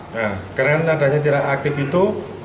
nah karena adanya tidak aktif itu